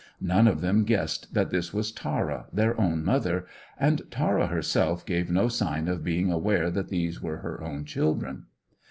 None of them guessed that this was Tara, their own mother, and Tara herself gave no sign of being aware that these were her own children.